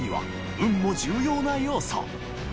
運も重要な要素磽栄